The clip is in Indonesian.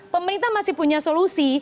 pemerintah masih punya solusi